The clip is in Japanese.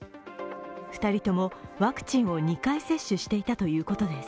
２人ともワクチンを２回接種していたということです。